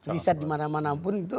riset dimana mana pun itu